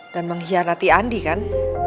dan mengkhianati andi kan